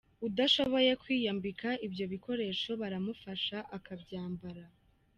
Udashoboye kwiyambika ibyo bikoresho baramufasha akabyambara.